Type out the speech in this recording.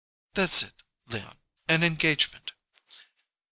"That's it, Leon an engagement."